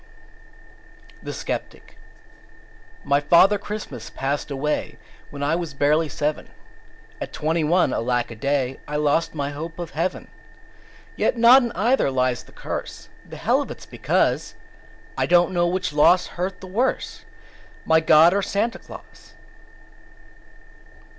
_ The Sceptic My Father Christmas passed away When I was barely seven. At twenty one, alack a day, I lost my hope of heaven. Yet not in either lies the curse: The hell of it's because I don't know which loss hurt the worse My God or Santa Claus.